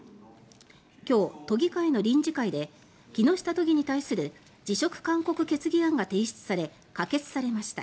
今日、都議会の臨時会で木下都議に対する辞職勧告決議案が提出され可決されました。